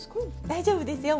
大丈夫ですよ。